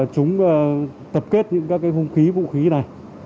chúng tập kết những các hung khí vũ khí này